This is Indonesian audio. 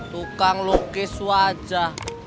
tukang lukis wajah